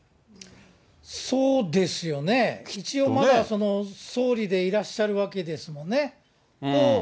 そうですよね、一応、まだ総理でいらっしゃるわけですもんね。